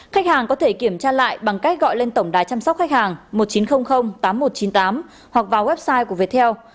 khách hàng có thể kiểm tra lại bằng cách gọi lên tổng đài chăm sóc khách hàng một nghìn chín trăm linh tám nghìn một trăm chín mươi tám hoặc vào website của viettel